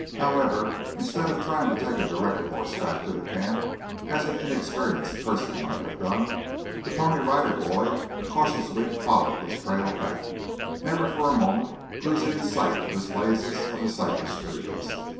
However, instead of trying to take a direct course back to the camp, as an inexperienced person might have done, the Pony Rider Boy cautiously followed his trail back, never for a moment losing sight of his blazes on the cypress trees.